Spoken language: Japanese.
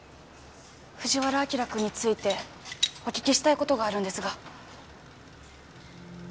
藤原晶くんについてお聞きしたい事があるんですが。